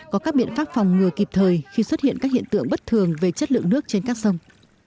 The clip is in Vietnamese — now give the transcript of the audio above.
có các biện pháp phòng ngừa kịp thời khi xuất hiện các hiện tượng bất thường về chất lượng nước trên các sông